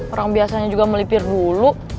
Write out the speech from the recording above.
orang biasanya juga melipir dulu